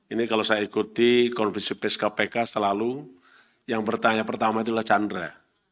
ini kalau saya ikuti konflik cpsk pk selalu yang pertanyaan pertama itulah chandra